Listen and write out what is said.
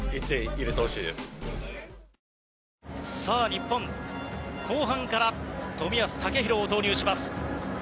日本、後半から冨安健洋を投入します。